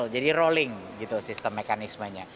jadi rolling sistem mekanismenya